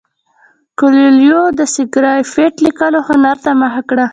کویلیو د سکرېپټ لیکلو هنر ته مخه کړه.